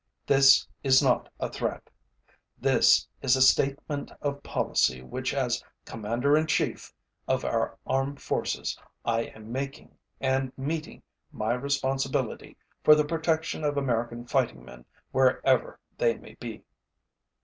This is not a threat. This is a statement of policy which as Commander in Chief of our armed forces I am making and meeting my responsibility for the protection of American fighting men wherever they may be.